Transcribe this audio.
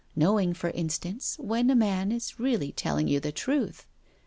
Knowing, for instance, when a man is really telling you the truth 1